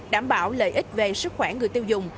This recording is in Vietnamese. đảm bảo lợi ích về sức khỏe người tiêu dùng